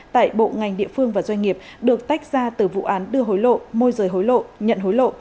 tại bộ ngành địa phương và doanh nghiệp được tách ra từ vụ án đưa hối lộ môi rời hối lộ nhận hối lộ